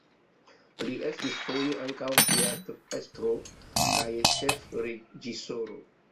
Li estis foje ankaŭ teatrestro kaj ĉefreĝisoro.